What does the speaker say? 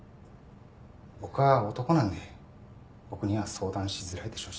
僕は男なんで僕には相談しづらいでしょうし。